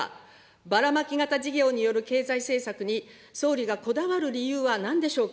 バラマキ型事業による経済政策に総理がこだわる理由はなんでしょうか。